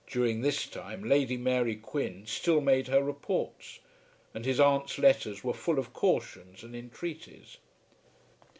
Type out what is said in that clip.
During this time Lady Mary Quin still made her reports, and his aunt's letters were full of cautions and entreaties.